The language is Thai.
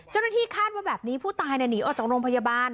เจ้าหน้าที่คาดว่าแบบนี้ผู้ตายหนีออกจากโรงพยาบาล